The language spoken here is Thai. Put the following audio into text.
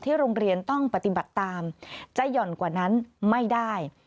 โรงเรียนต้องปฏิบัติตามจะหย่อนกว่านั้นไม่ได้